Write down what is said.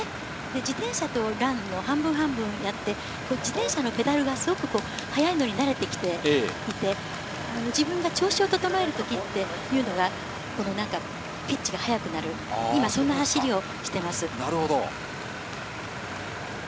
自転車とランを半分半分やって、自転車のペダルが速いのに慣れてきて、自分が調子を整えるときっていうのが、ピッチが速くなる、今、そんな走りをしています。